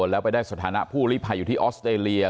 แล้วไปได้สถานะผู้ลิภัยอยู่ที่ออสเตรเลีย